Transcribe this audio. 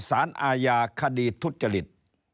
สารอาญาคดีทุจริต